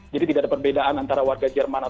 jadi tidak ada perbedaan antara warga jerman